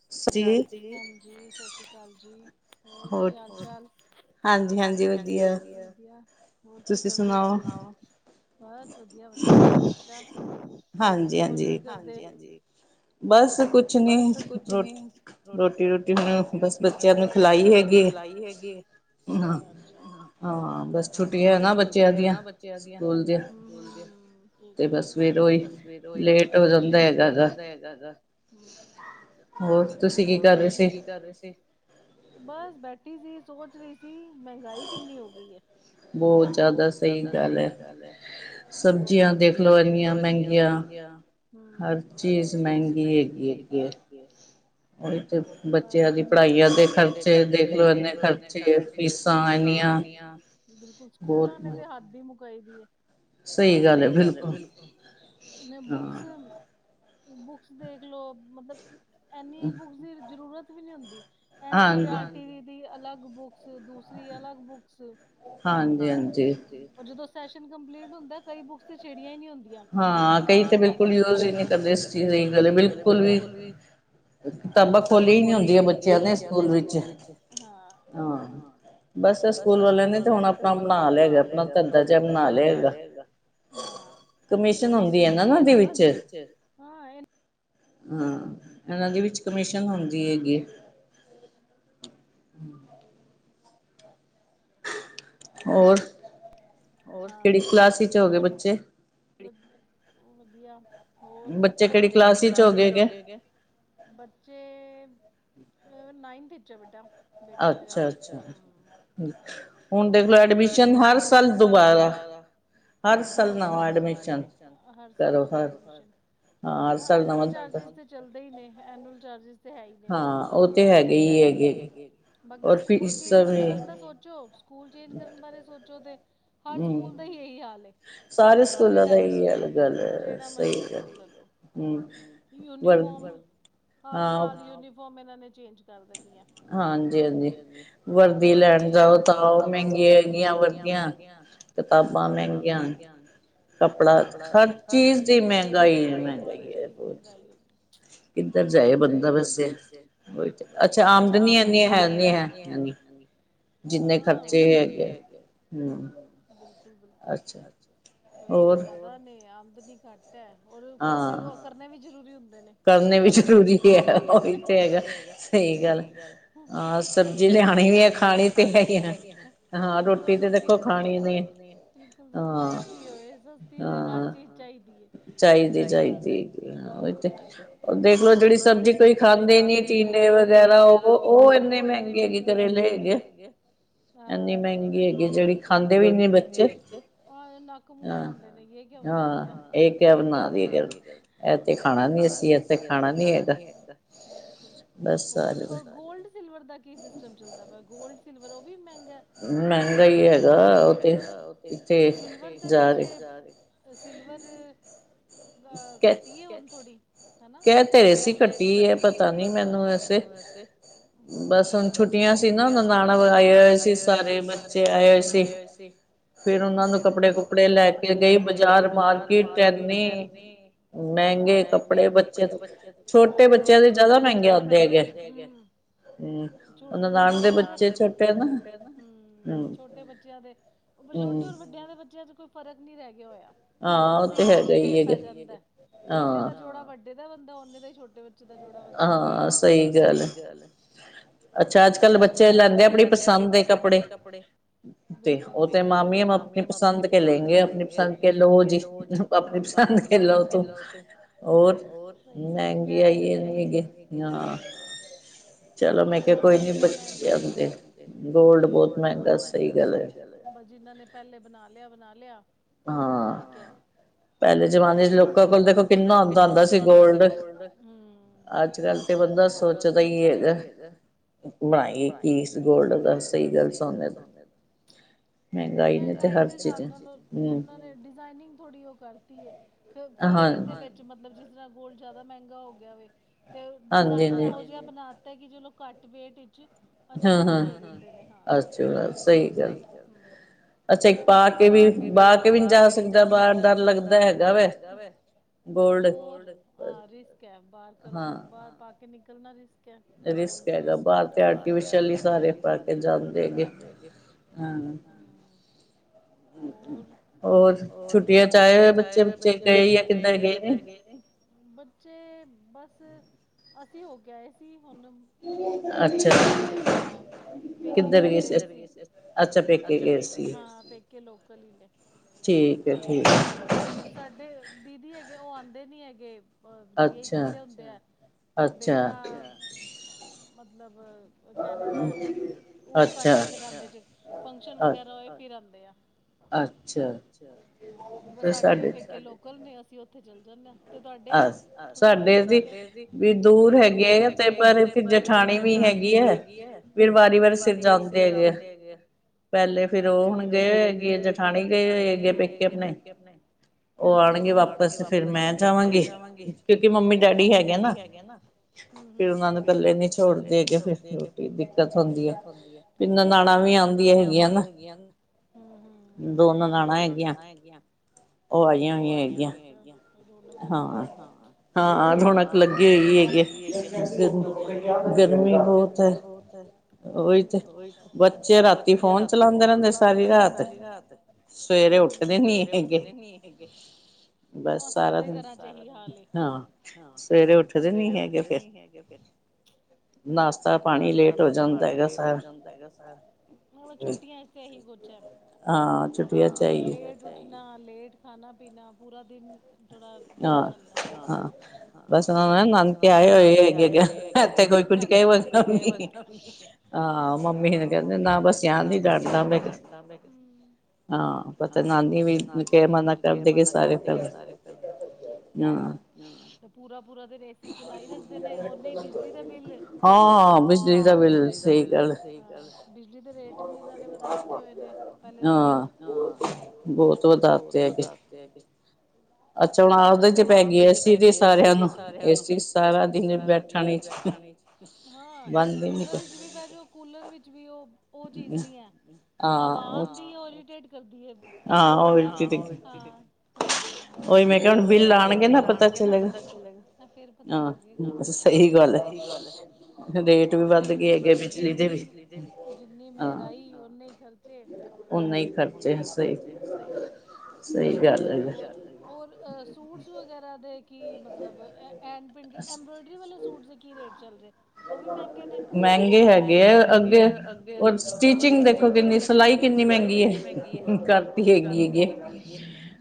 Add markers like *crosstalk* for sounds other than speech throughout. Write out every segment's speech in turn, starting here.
ਸਤਿ ਸ਼੍ਰੀ ਅਕਾਲ ਜੀ, ਹਾਂਜੀ, ਸਤਿ ਸ੍ਰੀ ਅਕਾਲ ਜੀ। ਹੋਰ ਕੀ ਹਾਲ ਚਾਲ? ਹਾਂਜੀ, ਹਾਂਜੀ ਵਧੀਆ, ਵਧੀਆ। ਹੋਰ ਕੀ- ਕਰਦੇ ਸੀ, ਸੁਣਾਓ? ਬਸ ਵਧੀਆ, ਵਧੀਆ ਠੀਕ- ਠਾਕ, ਹੋਰ ਕੀ ਕਰਦੇ? ਬਸ ਕੁਛ ਨੀ। ਕੁਛ ਨੀ ਰ ਰੋਟੀ, ਰੂਟੀ ਹੁਣ ਬਸ ਬੱਚਿਆਂ ਨੂੰ ਖਿਲਾਈ ਹੈਗੀਏ। ਅ ਹਾਂ, ਬਸ ਛੁੱਟੀਆਂ ਨਾ ਬੱਚਿਆਂ ਦੀਆਂ ਸਕੂਲ ਦੀਆ। ਠੀਕ ਹੈ, ਠੀਕ ਹੈ ਤੇ ਬਸ ਫੇਰ ੳਹੀ ਲੇਟ ਹੋ ਜਾਂਦਾ ਹੈਗਾ। ਹੈਗਾ *unintelligible* ਹੋਰ ਤੁਸੀਂ ਕੀ ਕਰ ਰਹੇ ਸੀ, ਬਸ ਬੈਠ। ਸੀ ਸੋਚ ਰਹੀ ਸੀ, ਮਹਿੰਗਾਈ ਕਿੰਨੀ ਹੋ ਗਈ ਹੈ। ਬਹੁਤ ਜ਼ਿਆਦਾ ਸਹੀ ਗੱਲ ਹੈ। ਸਬਜ਼ੀਆਂ ਦੇਖਲੋ ਇੰਨੀਆਂ ਮਹਿੰਗੀਆਂ, ਹਰ ਚੀਜ਼ ਮਹਿੰਗੀ ਹੈਗੀ ਏ। ਏ *unintelligible* ਉਹੀ ਤੇ ਬੱਚਿਆਂ ਦੀ ਪੜ੍ਹਾਈਆਂ ਦੇ ਖਰਚੇ, ਦੇਖਲੋ ਇਨੇ ਖਰਚੇ ਆ ਫੀਸਾਂ ਨੇ। *inaudible* ਸਕੂਲਾਂ ਨੇ ਤਾਂ ਹੱਦ ਹੀ ਮੁਕਾਈ। ਸਹੀ ਗੱਲ ਹੈ ਬਿਲਕੁਲ ਤੇ ਬੁਕਸ। ਬੁਕਸ ਦੇਖ ਲਓ, ਮਤਲਬ ਐਨੀਂ ਬੁਕਸ ਦੀ ਜਰੂਰਤ ਵੀ ਨੀ ਹੁੰਦੀ। ਐਨ ਸੀ ਆਰ ਟੀ ਦੀ ਅਲਗ ਬੁੱਕ। ਦੂਸਰੀ ਅਲਗ ਬੁਕਸ ਹਾਂਜੀ, ਹਾਂਜੀ ਜਦੋਂ। ਸੈਸ਼ਨ ਕਪਲੀਟ ਹੁੰਦਾ ਕਈ ਬੁਕਸ ਤੇ ਛੇੜੀਆਂ ਨਹੀਂ ਹੁੰਦੀਆਂ। ਹਾਂ ਕਈ ਤਾਂ ਬਿਲਕੁਲ ਹੀ ਯੂਜ ਨਹੀਂ ਕਰਦੇ ਬਿਲਕੁਲ ਵੀ *unintelligible* ਕਿਤਾਬਾਂ ਖੋਲੀਆਂ ਨੀ ਹੁੰਦੀਆਂ ਬੱਚਿਆਂ ਨੇ ਸਕੂਲ ਵਿੱਚ। ਬਸ ਇਹ ਸਕੂਲ ਵਾਲਿਆਂ ਨੇ ਤੇ ਹੁਣ ਆਪਣਾ ਬਣਾ ਲਿਆ ਹੈਗਾ, ਆਪਣਾ ਧੰਦਾ ਜਿਹਾ ਬਣਾ ਲਿਆ ਹੈਗਾ। ਹਾਂ *unintelligible* ਕਮਿਸ਼ਨ ਹੁੰਦੀ ਹੈ ਨਾ ਨਾ ਉਹਦੇ ਵਿੱਚ ਹਾਂ, ਇਹਨਾਂ ਦੀ ਵਿੱਚ ਕਮਿਸ਼ਨ ਹੁੰਦੀ ਹੈਗੀ ਏ। ਹਮ *unintelligible* ਹੋਰ, ਕਿਹੜੀ ਕਲਾਸ ਵਿਚ ਹੋ ਗਏ ਬੱਚੇ? ਹੋਰ ਕੱਪੜੇ, ਬੱਚੇ ਕਿਹੜੀ ਕਲਾਸ ਚ ਹੋ ਗਏ? ਬੱਚੇ ਅ ਨਾਈਨਥ ਵਿਚ ਬੇਟਾ। ਬੇਟਾ ਮੇਰਾ ਅਛਾ, ਅਛਾ ਹੁਣ ਦੇਖ ਲੋ ਐਡਮਿਸ਼ਨ ਹਰ ਸਾਲ ਦੁਬਾਰਾ ਹਰ ਸਾਲ ਨਵਾਂ ਐਡਮਿਸ਼ਨ ਹਾਂ, ਐਨੁਅਲ ਚਾਰਜਿਜ਼ ਤੇ ਚਲਦੇ ਹੀ ਨੇ ਐਨੁਅਲ ਚਾਰਜਿਜ਼ ਹਾਂ ਉਹ ਤੇ ਹੈਗੇ ਹੀ ਹੈਗੇ ਬਾਕੀ ਸਕੂਲ ਚੇਂ ਕਰਨ ਦਾ ਸੋਚੋ *inaudible* ਸਕੂਲ ਚੇਂਜ ਕਰਨ ਬਾਰੇ ਸੋਚੋਂ ਤੇ ਹਰ ਸਕੂਲ ਦਾ ਹੀ ਇਹੀ ਹਾਲ ਏ। ਸਾਰੇ ਸਕੂਲਾਂ ਦਾ ਏਹੀ ਹਾਲ ਹੈ। ਜਿਹੜਾ ਮਰਜ਼ੀ ਸਕੂਲ ਲੈ ਲੋ। ਯੂਨੀਫਾਰਮ। ਹਰ ਸਾਲ ਯੂਨੀਫਾਰਮ ਇਹਨਾ ਨੇ ਚੇਂਜ ਕਰ ਹਾਂਜੀ- ਹਾਂਜੀ ਵਰਦੀ ਲੈਣ ਜਾਓ ਤਾਂ ਉਹ ਮਹਿੰਗੀਆਂ ਹੈਗੀਆਂ ਵਰਦੀਆਂ। ਗਿਆ ਕਿਤਾਬਾਂ ਮਹਿੰਗੀਆਂ ਹਨ। ਕੱਪੜਾ ਖਰ ਹਰ ਚੀਜ਼ ਦੀ ਮਹਿੰਗਾਈ ਏ। ਕਿਧਰ ਜਾਏ ਬੰਦਾ ਵੈਸੇ ਅੱਛਾ ਆਮਦਨੀ ਏਨੀ ਹੈਨੀ ਹੈਂ। ਜਿੰਨੇ ਖ਼ਰਚੇ ਹੈਗੇ। ਅਛਾ, ਖਰਚੇ ਜ਼ਿਆਦਾ ਨੇ ਆਮਦਨੀ ਘੱਟ ਔਰ ਖਰਚੇ ਕਰਨੇ ਵੀ ਜ਼ਰੂਰੀ ਹੁੰ। ਕਰਨੇ ਵੀ ਜ਼ਰੂਰੀ ਹੈ ਉਹੀ ਤੇ ਹੈਗਾ। ਸਹੀ ਗੱਲ ਹਾਂ। ਸਬਜ਼ੀ ਸਬਜ਼ੀ ਲਿਆਣੀ ਵੀ ਹੈ। ਖਾਣੀ ਤੇ ਹੈ ਹੀ ਆ। ਹਾਂ, ਦੇਖੋ ਰੋੋਟੀ ਖਾਣੀ ਨਹੀ। ਬਿਲਕੁਲ ਮਹਿੰਗੀ ਹੋਏ, ਸਾਸਤੀ ਹੋਏ, ਹਰ ਚ ਚਾਹੀਦੀ ਹੈ। ਚਾਹੀਦੀ- ਚਾਹੀਦੀ। ਦੇਖ ਲੋ ਜਿਹੜੀ ਸਬਜ਼ੀ ਕੋਈ ਖਾਂਦੇ ਨੀ ਟੀਂਡੇ ਵਗੈਰਾ ਉਹ। ਉਹ ਇੰਨੇ ਮਹਿੰਗੇ ਹੈਗੀ ਤੇ ਹੈਗੇ ਘਰੇਲੇ ਹੈਗੇ। ਹਾਂ, ਇੰਨੀ ਮਹਿੰਗੀ ਹੈਗੀ ਜਿਹੜੀ ਖਾਂਦੇ ਵੀ ਨੀ ਬੱਚੇ। ਨੱਕ ਮੂੰਹ ਬਣਾਉਦੇ ਨੇ। ਹ ਇਹ ਕਿਆ ਬਣਾ ਦੀ ਇਹ ਤੇ ਖਾਣਾ ਨੀ ਅ। ਅਸੀ ਥੇ ਖਾਣਾ ਨੀ ਹੈਗਾ ਬਿਲਕੁਲ ਹੋਰ ਗੋਲਡ ਸਿਲਵਰ ਦਾ ਕੀ ਸਿਸਟਮ ਚੱਲਦਾ ਪਿਆ। ਗੋਲਡ ਸਿਲਵਰ ਮਹਿੰਗਾ ਹੀ ਹੈਗਾ ਉਹ ਤੇ। ਸਿਲਵਰ ਦੇ ਪ ਸਿਲਵਰ, ਅ- ਕਟੀ ਆ ਹੁਣ ਥੋੜੀ ਕਹਿ ਤੇਰੇ ਸੀ ਕੱਟੀ ਹੈ ਪਤਾ ਨੀ ਮੈਨੂੰ ਵਸੇ। ਬਸ, ਹੁਣ ਛੁੱਟੀਆਂ ਛੁੱਟੀਆਂ ਸੀ ਨਾ ਉਹਦਾ ਨਾਨ ਆਏ ਹੋਏ ਸੀ। ਸਾਰੇ ਬੱਚੇ ਆਏ ਹੋਏ ਸੀ। ਫੇਰ ਉਹਨਾਂ ਨੂੰ ਕੱਪੜੇ- ਕੁੱਪੜੇ ਲੈ ਕੇ ਗਏ ਬਾਜ਼ਾਰ ਬਾਜ਼ਾਰ ਮਾਰਕੀਟ ਇਨੀ, ਮਹਿੰਗੇ ਕੱਪੜੇ ਕੱਪੜੇ ਬੱਚੇ ਦੇ, ਛੋਟੇ ਬੱਚਿਆਂ ਦੇ ਜਿਆਦਾ ਮਹਿੰਗੇ ਆਉਂਦੇ ਹੈਗੇ। ਛੋਟ ਨਾਨ ਦੇ ਬੱਚੇ ਛੋਟੇ ਹੈ। ਛੋਟੇ ਬੱਚਿਆਂ ਦੇ ਛੋਟੇ ਹੋਰ ਵੱਡਿਆਂ ਦੇ ਬੱਚਿਆਂ ਚ ਕੋਈ ਫ਼ਰਕ ਨਹੀਂ ਰਹਿ ਗਿਆ ਹੋਇਆ। ਹਾਂ, ਉਹ ਤੇ ਹੈਗਾ ਹੀ ਹੈਗਾ। ਹਾਂ। ਬੰਦਾ ਨੇ ਦਾ ਹੀ ਛੋਟੇ ਬੱਚੇ ਦਾ ਜੋੜਾ ਬੰਨਦਾ ਹਾਂ। ਸਹੀ ਗੱਲ। ਅੱਛਾ। ਅੱਜ ਕੱਲ੍ਹ ਬੱਚੇ ਲੈਂਦੇ ਆਪਣੀ ਪਸੰਦ ਦੇ ਕੱਪੜੇ ਤੇ ਉਹ ਤੇ ਮਾਮੀ ਆਪਣੀ ਪਸੰਦ ਕੇ ਲੈਂਗੇ ਆਪਣੀ ਪਸੰਦ ਕੇ ਲੋਕ ਲੈ ਜੀ ਆਪਣੀ ਪਸੰਦ ਕਰ ਲੋ ਤੂੰ ਹੋਰਹੀ ਕੁ ਹੇ ਗਏ। ਚਲੋ। ਮੈਂ ਕਿਹਾ, ਕੋਈ ਨੀ ਬ ਜਾਂਦੇ ਗੋਲਡ ਬਹੁਤ ਮਹਿੰਗਾ ਸਹੀ ਗੱਲ ਹੈ। ਜਿਨਾਂ ਨੇ ਪਹਿਲੇ ਬਣਾ ਲਿਆ, ਬਣਾ ਲਿਆ ਠੀਕ ਹੈ। ਪਹਿਲੇ ਜਮਾਨੇ ਚ ਲੋਕਾਂ ਕੋਲ ਦੇਖੋ ਕਿੰਨਾ ਹੁੰਦਾ ਹੁੰਦਾ ਸੀ, ਗੋਲਡ। ਅੱਜ ਕੱਲ ਤੇ ਬੰਦਾ ਸੋਚਦਾ ਹੀ ਹੈਗਾ। ਬਣਾਈਏ ਕਿ, ਇਸ ਗੋਲਡ ਦਾ, ਸਹੀ ਗੱਲ ਸੋਨੇ ਦਾ ਮਹਿੰਗਾਈ ਨੇ ਤੇ ਹਰ ਚੀਜ਼ ਡਿਜ਼ਾਇਨਿੰਗ ਥੋੜੀ ਉਹ ਕਰਦੀ ਏ, ਖਲੇਰ ਦੇ ਵਿੱਚ ਮਤਲਬ ਗੋਲਡ ਜ਼ਿਆਦਾ ਮਹਿੰਗਾ ਹੋ ਗਿਆ ਵੇ, ਤੇ ਡਿਜ਼ਾਇਨ ਇਹੋ ਜਹਾ ਬਣਾ ਕਿ ਚਲੋ ਘੱਟ ਵੇਟ ਵਿੱਚ ਅਛੀ ਚੀਜ਼ ਦੇ ਦੇਂਦੇ ਨੇ, ਸਹੀ ਗੱਲ ਐ ਅੱਛਾ, ਇੱਕ ਪਾ ਕੇ ਵੀ ਬਾਹਰ ਬਾਹ ਕੇ ਵੀ ਨਹੀਂ ਜਾ ਸਕਦਾ ਬਾਹਰ, ਡਰ ਲੱਗਦਾ ਹੈਗਾ ਵੈ। ਹੋਰ ਹਾਂ ਰਿਸਕ ਹੈ, ਬਾਹਰ ਕਰੋ ਬਾਹਰ ਪਾ ਕੇ ਨਿਕਲਣਾ ਰਿਸਕ ਰਿਸ੍ਕ ਹੈਗਾ, ਬਾਹਰ ਤੇ ਆਰਟੀਫਿਸ਼ਲ ਹੀ ਸਾਰੇ ਪਾ ਕੇ ਜਾਂਦੇ ਹੈਗੇ। ਹਾਂ ਹੋਰ ਹੋਰ ਛੁੱਟੀਆਂ ਚ ਆਏ ਹੋ ਬੱਚੇ, ਬੱਚੇ ਗਏ, ਜਾਂ ਕਿੱਧਰੇ ਗਏ ਨਈ। ਤੇ ਬਸ, ਅਸੀਂ ਹੋ ਕੇ ਆਏ ਸੀ ਹੁਣ ਪੇਕੇ ਘਰ ਚ, ਹਾਂ ਪੇਕੇ ਘਰ ਗਏ ਸੀ ਹਾਂ, ਪੇਕੇ ਲੋਕਲ ਹੀ ਨੇ। ਠੀਕ ਐ, ਠੀਕ ਐ, ਸਾਡੇ ਦੀਦੀ ਹੈਗੇ ਉਹ ਆਉਂਦੇ ਨੀ ਹੈਗੇ। ਜੀਜਾ ਜੀ ਕੱਲੇ ਹੁੰਦੇ ਐ, ਬੇਟਾ ਮਤਲਬ ਕੈਨੇਡਾ ਉਹ ਕੱਟ ਹੀ ਲਗਾਂਦੇ ਜੇ, ਫੰਕਸ਼ਨ ਵਗੈਰਾ ਹੋਯੇ ਫਿਰ *unintelligible* ਅੱਛਾ, ਹਾਂ ਸਾਡੇ ਪੇਕੇ ਲੋਕਲ ਨੇ, ਅਸੀਂ ਔਥੇ ਚਲੇ ਜਾਂਨੇ ਆਂ। ਤੇ ਤੁਹਾਡੇ, ਅੱਛਾ ਤੁਸੀਂ ਨੀ ਗਏ ਕਿਤੇ, ਸਾਡੇ ਜੀ ਵੀ ਦੂਰ ਹੈਗੇ ਏ ਤੇ ਪਰ ਫ਼ਿਰ ਜੇਠਾਣ ਦਰਾਣੀ ਵੀ ਹੈਗੀ ਹੈ, ਫਿਰ ਵਾਰੀ ਵਾਰ ਸਿਰ ਜਾਂਦੇ ਹੈਗੇ ਆ। ਪਹਿਲੇ ਫੇਰ ਔ, ਹੁਣ ਗਏ ਹੈਗੀ ਜਠਾਣੀ ਗਏ ਜਠਾਣੀ ਗਏ ਹੋਏ ਹੈਗੇ ਏ ਪੇਕੇ ਆਪਣੇ, ਉਹ ਆਉਣਗੇ ਵਾਪਸ ਫਿਰ ਮੈਂ ਜਾਵਾਗੀ, ਕਿਉਂਕਿ ਮੰਮੀ ਡੈਡੀ ਹੈਗੇ ਨਾ। ਹੁ ਹੁ ਫਿਰ ਉਹਨਾ ਨੂੰ ਇਕੱਲੇ ਨੀ ਛੋੜਦੇ ਹੈਗੇ, ਫ਼ਿਰ ਥੋੜੀ ਦਿੱਕਤ ਹੁੰਦੀ ਹੈ। ਨਨਾਣਾਂ ਵੀ ਆਉਂਦੀਆਂ ਹੈਗੀਆਂ, ਹੁ ਹੁ। ਦੋਨੋ ਨਣਾਨ੍ਹਾਂ ਹੈਗੀਆਂ, ਠੀਕ ਏ, ਉਹ ਆਈਆਂ ਹੋਈਆਂ ਹੈਗੀਆਂ। ਹੋਰ ਰੌਨਕ ਲੱਗੀ ਹੋਏਗੀ, ਹਾਂ। ਹਾਂ ਰੌਣਕ ਲੱਗੇ ਹੋਈ ਹੈਗੀ ਏ, ਗਰ ਗਰਮੀ ਬਹੁਤ ਹੈ। ਗਰਮੀ ਤੇ, ਔਹੀ ਤੇ, ਬੱਚੇ ਰਾਤੀ ਫੋਨ ਚਲਾਉਂਦੇ ਰਹਿੰਦੇ ਸਾਰੀ ਰਾਤ। ਸਵੇਰੇ ਉੱਠਦੇ ਨੀ ਹੈਗੇ, ਬਸ। ਸਭ ਦੇ ਘਰਾਂ ਚ ਏਹੀ ਹਾਲ ਹੈ, ਹਾਂ ਸਵੇਰੇ ਉੱਠਦੇ ਨੀ ਹੈਗੇ ਫਿਰ। ਨਾਸ ਨਾਸ਼ਤਾ ਪਾਣੀ ਲੇਟ ਹੋ ਜਾਂਦਾ ਹੈਗਾ ਸਾਰ ਛੁੱਟੀਆਂ 'ਚ ਤੇ ਇਹੀ ਕੁਛ ਹੈ, ਛੁੱਟੀਆਂ ਚ ਬਸ ਲੇਟ ਉੱਠਨਾ ਲੇਟ ਖਾਣਾ - ਖਾਣਾ ਪੀਣਾ ਪੂਰਾ ਦਿਨ ਥੋੜਾ ਰੁਲ ਜਾਂਦਾ ਹੈ, ਹਾਂ ਹਾਂ ਹੋਰ, ਬਸ ਹਾਂ ਉਹ ਨਾਨਕੇ ਆਏ ਹੋਏ ਹੈਗੇ ਅਗੇ ਕੋਈ ਕੁੱਝ ਕਹੇ, ਬਸ। ਮੰਮੀ ਆਹ, ਮੰਮੀ ਕਹਿੰਦੇ ਨਾ ਬਸ ਸਿਆ ਦੀ ਜਾਂਦਾ, ਮੈਂ ਹਾਂ ਪਤਾ ਨਾਨੀ ਵੀ ਫ਼ੇਰ ਮਨਾ ਕਰਦੇ ਗੀ, ਸਾਰੇ ਫੇਰ ਪਲ ਹਾਂ, ਤੇ ਪੂਰਾ ਪੂਰਾ ਦਿਨ ਏ ਸੀ ਚਲਾਈ ਰੱਖਦੇ ਨੇ, ਔਨਾ ਹੀ ਬਿਜਲੀ ਦਾ ਬਿੱਲ ਹਾਂ ਬਿਜਲੀ ਦਾ ਬਿਲ ਸਹੀ ਗੱਲ ਏ, ਬਿਜਲੀ ਦੇ ਰੇਟ ਵੀ ਇਹਨਾਂ ਨੇ ਵਧਾ ਤੇ ਹੋਏ ਨੇ। ਪਹਿਲੇ ਤੋਂ, ਹਾਂ ਬਹੁਤ ਵਧਾ ਤੇ ਹੈਗੇ। ਅੱਛਾ ਹੁਣ ਆਦਤ ਜੇਹੀ ਪੈ ਗਈ ਏ ਸੀ ਦੀ ਸਾਰਿਆਂ ਨੂੰ, ਏ ਸੀ ਸਾਰਾ ਦਿਨ ਬੈਠਣ ਲਈ ਤਾਂ ਵੀ ਠੀਕ ਐ ਬਲ ਕੂਲਰ ਵਿਚ ਵੀ ਬਹਿਜੋ ਕੂਲਰ ਵਿਚ ਵੀ ਉਹ ਉਹ ਚੀਜ਼ ਨੀ ਹੈ, ਹਵਾ ਆਂਦੀ ਏ ਏਰੀਟੇਟ ਲੱਗਦੀ ਏ ਬੰਦਾ ਉਹੀ ਮੈਂ ਕਿਹਾ ਹੁਣ ਬਿੱਲ ਆਉਣਗੇ। ਪਤਾ ਚਲੇਗਾ ਫ਼ੇਰ ਪਤਾ ਲੱਗੇ ਸਹੀ ਗੱਲ ਹੈ। ਰੇਟ ਵੀ ਵੱਧ ਗਏ ਜਿੰਨੀ ਮਹਿੰਗਾਈ ਓਨੇ ਖਰਚੇ। ਉਹਨਾ ਹੀ ਖਰ ਖਰਚੇ ਨਾ ਸਹੀ ਏ, ਸਹੀ ਗੱਲ ਏ, ਹੋਰ ਸੂਟਸ ਵਗੈਰਾ ਦੇ ਕੀ ਮਤਲਬ ਐਂਡਟ ਐਬਰੋਇਡਰੀ ਵਾਲੇ ਸੂਟਸ ਦੇ ਕੀ ਰੇਟ ਚੱਲ ਰਹੇ ਏ। ਮਹਿੰਗੇ ਹੈਗੇ ਆ ਅੱਗੇ ਔਰ ਸਟੀਿਚਿੰਗ ਦੇਖੋ ਕਿੰਨੀ ਸਿਲਾਈ ਕਿੰਨੀ ਸਿਲਾਈ ਕਿੰਨੀ ਮਹਿੰਗੀ ਏ ਕਰਤੀ ਹੈਗੀ ਹੈਗੀ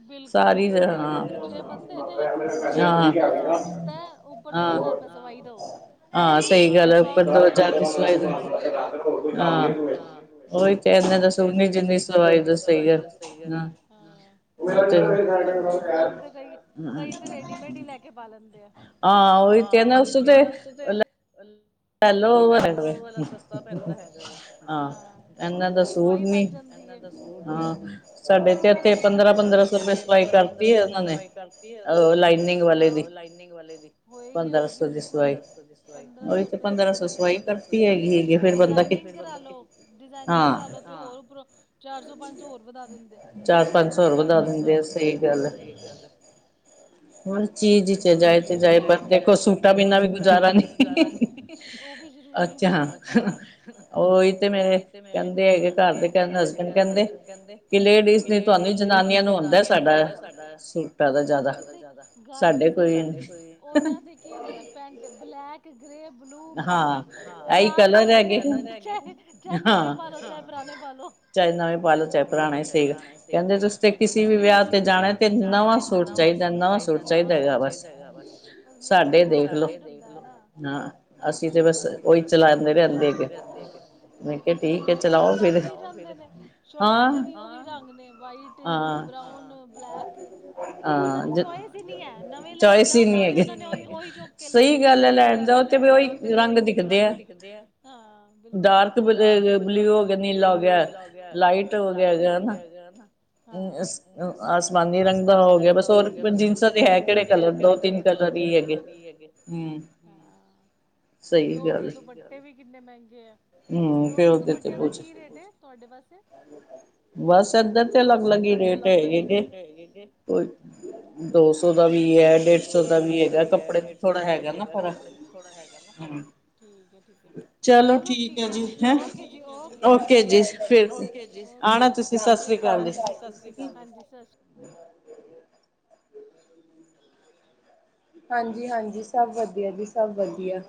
ਬਿਲਕੁਲ ਸਾਰੀ ਜੇ ਬੰਦੇ ਨੇ ਦੋ ਹਜ਼ਾਰ ਦਾ ਚੋਣ ਕੀਤਾ, ਉਪਰ ਦੋ ਹਜ਼ਾਰ ਰੁਪਏ ਸਵਾਈ ਦਓ। ਹਾਂ ਸਹੀ ਗੱਲ ਆ ਉੱਪਰ ਦੋ ਚਾਰ ਦੀ ਸਵਾਈ ਦੇਓ, ਹਾਂ ਉਹੀ ਤੇ ਹਾਂ। ਓਹੀ ਤੇ ਏਨੇ ਦਾ ਸੂਟ ਨਹੀਂ ਜਿੰਨੇ ਦੀ ਸਵਾਈ ਦੱਸੀ ਹੈ। ਹਾਂ ਉਹੀ *unintelligible* *unintelligible* ਨਾ ਉਸ ਤੇ ਹੈਲੋ ਏਨੇ ਦਾ ਸੂਟ ਨਹੀਂ। ਹਾਂ ਸਾਡੇ ਤੇ ਇੱਥੇ ਪੰਦਰਾਂ ਪੰਦਰਾਂ ਸੌ ਰੁਪਏ ਸਵਾਈ ਕਰਤੀ ਆ ਉਹਨਾਂ ਨੇ। ਹਾਂ ਲਾਈਨਿੰਗ ਵਾਲੇ ਦੀ ਹੋਏਗੀ ਹੋਏਗੀ ਬਿਲਕੁਲ, ਪੰਦਰਾਂ ਸੌ ਦੀ ਸਵਾਈ, ਪੰਦਰਾਂ ਸੌ ਰੁਪਏ। ਪੰਦਰਾਂ ਸੌ ਸਵਾਈ ਕਰਤੀ ਏ, ਡਿਜ਼ਨਿੰਗ ਕਰਾਲੋ ਡਿਜ਼ਾਇਨਿੰਗ ਕਰਾਲੋ, ਜੋ ਹੋਰ ਉਪਰੋ ਚਾਰ ਸੌ, ਪੰਜ ਸੌ, ਹੋਰ ਵਧਾ ਦਿੰਦੇ। ਚਾਰ, ਪੰਜ ਸੌ ਹੋਰ ਵਧਾ ਦਿੰਦੇ ਆ, ਸਹੀ ਗੱਲ ਏ। ਹੁਣ ਚੀਜ਼ ਹੀ ਤੇ ਜਾਏ ਤੇ ਜਾਏ, ਪਰ ਦੇਖੋ ਸੂਟਾਂ ਬਿਨਾਂ ਵੀ ਗੁਜ਼ਾਰਾ ਨੀ। ਗੁਜ਼ਾਰਾ ਨਹੀਂ ਉਹ ਵੀ ਜ਼ਰੂਰੀ ਹੈ, ਅੱਛਾ ਹਾਂ ਓਹੀ ਤੇ ਮੈਂ ਕਹਿੰਦੇ ਹੈਗੇ ਘਰ ਦੇ ਕਹਿੰਦੇ ਹਸਬੈਂਡ ਕਹਿੰਦੇ ਕਿ ਲੇਡੀਜ਼ ਦੀ ਤੁਹਾਨੂੰ ਜਨਾਨੀਆਂ ਨੂੰ ਹੁੰਦਾ ਸਾਡਾ ਪੈਦਾ ਜ਼ਿਆਦਾ ਗ ਸ ਉਹਨਾਂ ਦੇ ਕੀ ਹੁੰਦਾ ਪੈਂਟ ਬਲੈਕ ਬਲੂ ਬਰਾਊਨ ਚਾਰ ਰੰਗ ਚਾਹੇ ਨਵੇਂ ਪਾਾਲੋ ਚਾਹੇ ਪੁਰਾਣੇ ਪਾ ਲੋ ਚਾਹੇ ਨਵੇਂ ਪਾਲੋ ਚਾਹੇ ਪੁਰਾਣਾ ਸੇਗ ਕਹਿੰਦੇ ਤੁਸੀ ਤੇ ਕਿਸੇ ਵੀ ਵਿਆਹ ਤੇ ਜਾਣਾ ਤੇ ਨਵਾਂ ਸੋਚਾ ਨਵਾਂ ਸੂਟ ਚਾਹੀਦਾ ਨਵਾਂ ਸੂਟ ਚਾਹੀਦਾ ਹੈਗਾ ਬਸ ਅਸੀਂ ਤੇ ਬਸ ਉਹੀ ਚਲਾਉਂਦੇ ਰਹਿੰਦੇ ਅਗੇ ਉਹਨਾਂ ਦੇ ਚੱਲ ਵੀ ਜਾਂਦੇ ਨੇ ਸ਼ਰਟਾਂ ਦੇ ਵੀ ਜੰਗ ਨੇ ਵਾਈਟ ਬਰਾਊਨ ਬਲੈਕ ਉਹਨਾਂ ਦੀ ਚੁਇਸ ਹੀ ਨ ਹੈ ਨਵੇਂ ਲੈਣ ਜਾਓ ਤਾਂ ਉਹਨਾ ਨੇ ਉਹੀ ਚੁੱਕ ਕੇ ਲਿਆਣੇ ਨੇ ਸਹੀ ਗੱਲ ਹੈ ਦਾ ਉਹ ਤੇ ਵੀ ਉਹੀ ਰੰਗ ਦਿਖਦੇ ਆ ਹਾਂ ਬਿਲਕੁਲ ਡਾਰਕ ਬਲਿਊ ਹੋ ਨੀਲਾ ਹੋ ਗਿਆ ਲਾਈਟ ਹੋ ਗਿਆਗਾਾ ਆਸਮਾਨੀ ਰੰਗ ਬਸ ਹੋਰ ਜੀਨਸਾਂ ਤੇ ਹੈ ਕਿਹੜੇ ਕਲਰ ਦੋ ਤਿੰਨ ਕਲਰ ਹੀ ਹੈਗੇ ਹਮ ਤੇ ਪਿਓਰ ਦੇ ਦੁਪੱਟੇ ਵੀ ਕਿੰਨੇ ਮਹਿੰਗੇ ਆ ਪੀਯੋਰ ਦੇ ਦੁਪੱਟੇ ਦਾ ਕੀ ਰੇਟ ਹੈ ਤੁਹਾਡੇ ਪਾਸੇ ਬਸ ਇਏਧਰ ਤੇ ਅਲੱਗ ਅਲੱਗ ਹੀ ਰੇਟ ਹੈਗੇ ਜ ਕੋ ਦੋ ਸੌ ਦਾ ਵੀ ਹੈ ਡੇਢ ਸੌ ਦਾ ਵੀ ਹੈਗਾ ਕੱਪੜੇ ਥੋੜ੍ਹਾ ਹੈਗਾ ਨਾ ਫ਼ਰਕ ਠੀਕ ਠੀਕ ਚਲੋ ਠੀਕ ਹੈ ਓਕ ਓਕ ਜੀ ਬ ਬਾਏ ਓਕੇ ਜੀ ਫਿਰ ਆਣਾ ਤੁਸੀਂ ਸਤ ਸ੍ਰੀ ਅਕਾਲ ਹਾਂ ਸ ਹਮ ਹਾਂਜੀ ਹਾਂਜੀ ਸਭ ਵਧੀਆ ਜੀ ਸਭ ਵਧੀਆ